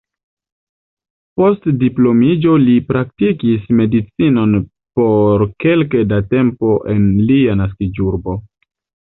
Post diplomiĝo li praktikis medicinon por kelke da tempo en lia naskiĝurbo.